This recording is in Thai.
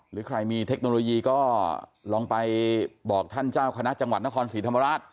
หรือใครมีเทคโนโลยีก็ลองไปบอกท่านเจ้าคณะจังหวัดนครศรีธรรมราช